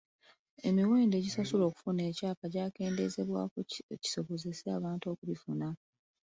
Emiwendo egisasulwa okufuna ekyapa gyakendeezebwako kisobozese abantu okubifuna.